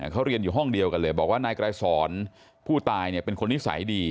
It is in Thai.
เขาเรียนอยู่ห้องเดียวกันเลยบอกว่านายไกรสอนผู้ตายเนี่ยเป็นคนนิสัยดี